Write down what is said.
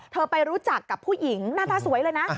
ไปรู้จักกับผู้หญิงหน้าตาสวยเลยนะ